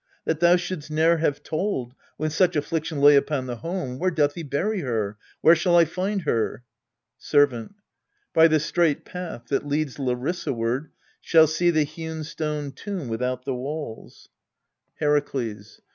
That thou should'st ne'er have told, When such affliction lay upon the home! Where doth he bury her? Where shall I find her? Servant. By the straight path that leads Larissa ward Shall see the hewn stone tomb without the walls. 15 22 6 Hcraklcs.